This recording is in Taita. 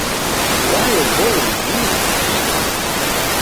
Walow'olo ni mnduki?